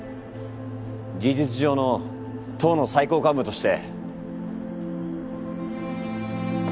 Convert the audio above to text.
事実上の党の最高幹部として。